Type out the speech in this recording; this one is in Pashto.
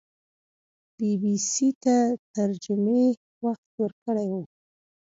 بي بي سي ته تر جمعې وخت ورکړی وو